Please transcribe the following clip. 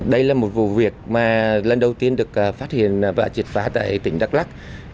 đây là một vụ việc mà lần đầu tiên được phát hiện và triệt phá tại tỉnh đắk lắc